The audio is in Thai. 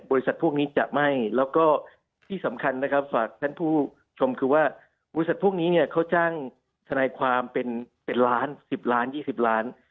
บริษัทพวกนี้เขาจ้างทนายความเป็น๑ล้าน๑๐ล้าน๒๐ล้าน